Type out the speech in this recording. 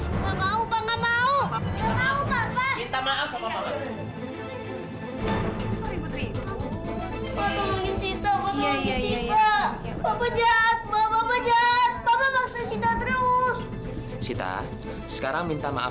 gak mau pa gak mau